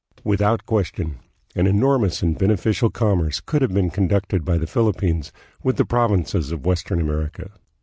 Without question, an enormous and bene ficial commerce could have been conducted by the Philip pines with the provinces of western America.